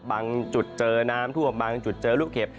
บางจุดเจอน้ำท่วมบางจุดเจอลูกเห็บ